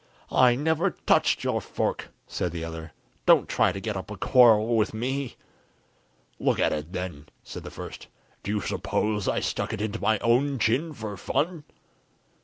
"I never touched your fork," said the other. "Don't try to get up a quarrel with me." "Look at it, then," said the first. "Do you suppose I stuck it into my own chin for fun?"